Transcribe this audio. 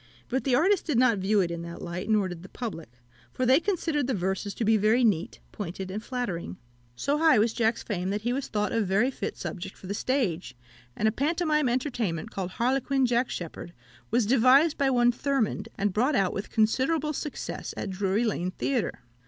But the artist did not view it in that light, nor did the public; for they considered the verses to be very neat, pointed, and flattering. So high was Jack's fame, that he was thought a very fit subject for the stage; and a pantomime entertainment, called "Harlequin Jack Sheppard," was devised by one Thurmond, and brought out with considerable success at Drury Lane Theatre.